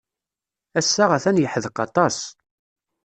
Ass-a atan yeḥdeq aṭas.